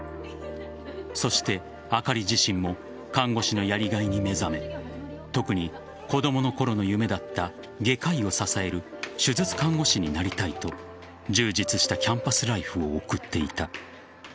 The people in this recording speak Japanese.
そして、あかり自身も看護師のやりがいに目覚め特に子供のころの夢だった外科医を支える手術看護師になりたいと充実したキャンパスライフを送っていた。